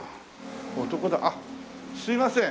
男だあっすいません。